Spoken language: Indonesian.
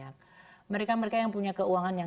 agora enempulatednya dapatnya apres quedados berhasil